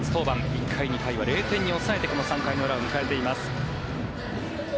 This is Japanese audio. １回、２回は０点に抑えてこの３回裏を迎えています。